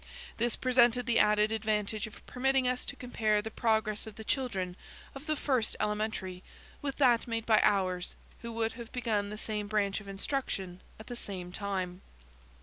This presented the added advantage of permitting us to compare the progress of the children of the first elementary with that made by ours, who would have begun the same branch of instruction at the same time.